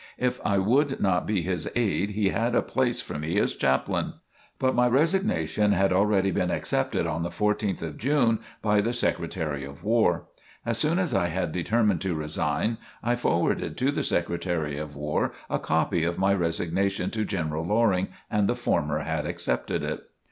If I would not be his aide he had a place for me as chaplain. But my resignation had already been accepted on the 14th of June by the Secretary of War. As soon as I had determined to resign, I forwarded to the Secretary of War a copy of my resignation to General Loring and the former had accepted it.